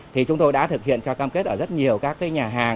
thì chúng tôi đã thực hiện cho cam kết ở rất nhiều các nhà hàng